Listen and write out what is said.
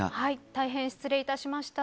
大変失礼いたしました。